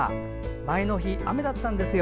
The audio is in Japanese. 前の日、雨だったんですよ。